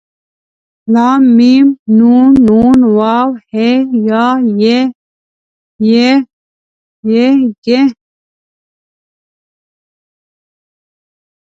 ل م ن ڼ و ه ء ی ي ې ۍ ئ